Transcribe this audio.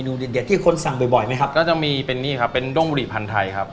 อืมนี่นะครับเป็นอย่างนี้เลยนะครับ